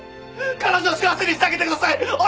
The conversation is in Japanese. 彼女を幸せにしてあげてください！